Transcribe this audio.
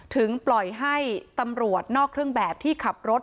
ถึงปล่อยให้ตำรวจนอกเครื่องแบบที่ขับรถ